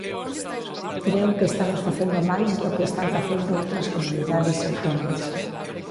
Creo que estamos facendo máis do que están facendo outras comunidades autónomas.